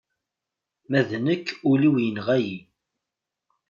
Ma d nekk ul-iw yenɣa-yi.